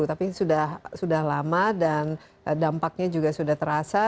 tapi sudah lama dan dampaknya juga sudah terasa